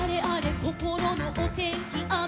こころのおてんきあめかな？」